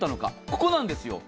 ここなんですよ。